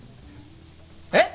えっ？